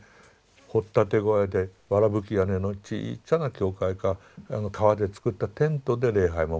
掘っ立て小屋でわらぶき屋根のちいちゃな教会か皮で作ったテントで礼拝を守っていた。